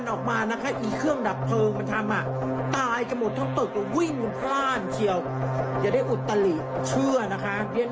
งานนี้ฟ้าดัวเลยหาขนาดไหน